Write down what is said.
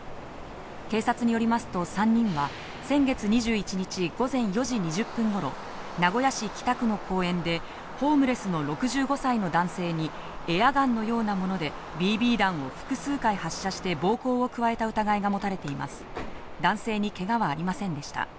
警察によりますと、３人は先月２１日午前４時２０分頃、名古屋市北区の公園でホームレスの６５歳の男性にエアガンのようなものでＢＢ弾を複数回発射して暴行を加えた疑いが持たれています。